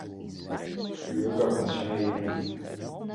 Хҩык аԥацәа иман.